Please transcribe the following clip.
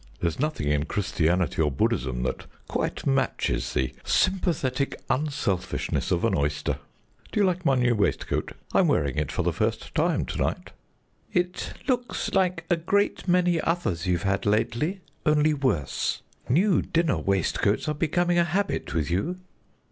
There's nothing in Christianity or Buddhism that quite matches the sympathetic unselfishness of an oyster. Do you like my new waistcoat? I'm wearing it for the first time to night." "It looks like a great many others you've had lately, only worse. New dinner waistcoats are becoming a habit with you."